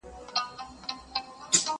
زه مي ټوله ژوندون ومه پوروړی!